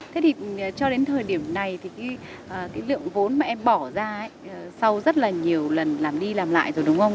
thế thì cho đến thời điểm này thì cái lượng vốn mà em bỏ ra sau rất là nhiều lần làm đi làm lại rồi đúng không